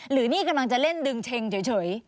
หรือนี่กำลังจะเล่นดึงเช็งเฉย